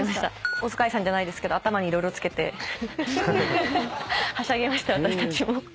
大塚愛さんじゃないですけど頭に色々着けてはしゃぎました私たちも。